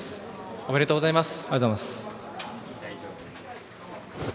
ありがとうございます。